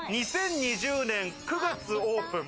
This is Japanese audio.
２０２０年９月オープン。